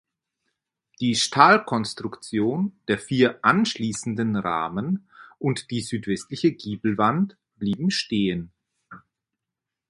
Die Stahlkonstruktion der vier anschließenden Rahmen und die südwestliche Giebelwand blieben stehen.